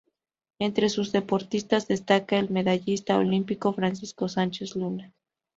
Entre sus deportistas destaca el medallista olímpico Francisco Sánchez Luna.